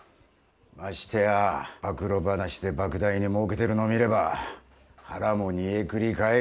ましてや暴露話で莫大にもうけてるのを見れば腹も煮えくり返る。